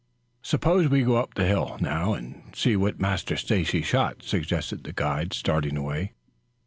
"Suppose we go up the hill now and see what Master Stacy shot," suggested the guide, starting away.